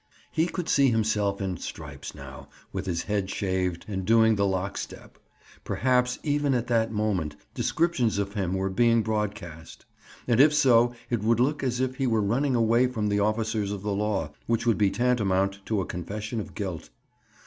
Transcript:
He could see himself in stripes now, with his head shaved, and doing the lock step. Perhaps, even at that moment, descriptions of him were being sent broadcast. And if so, it would look as if he were running away from the officers of the law, which would be tantamount to a confession of guilt.